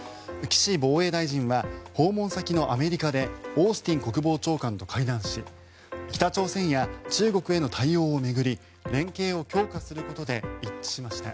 岸防衛大臣は訪問先のアメリカでオースティン国防長官と会談し北朝鮮や中国への対応を巡り連携を強化することで一致しました。